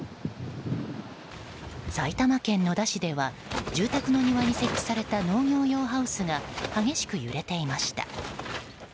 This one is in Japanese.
埼玉県戸田市では住宅の庭に設置された農業用ハウスが激しく揺れていました。